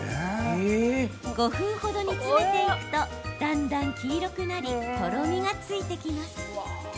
５分程煮詰めていくとだんだん黄色くなりとろみがついてきます。